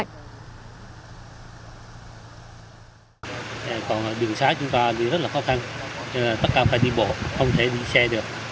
còn đường xã chúng ta đi rất là khó khăn tất cả phải đi bộ không thể đi xe được